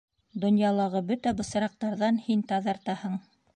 — Донъялағы бөтә бысраҡтарҙан һин таҙартаһың!